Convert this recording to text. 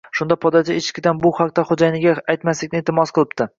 Shunda podachi Echkidan bu haqda xo‘jayiniga aytmaslikni iltimos qilibdi